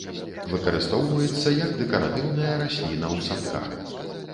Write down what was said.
Выкарыстоўваецца як дэкаратыўная расліна ў садках.